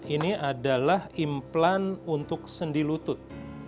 ini adalah implan untuk sendi lutut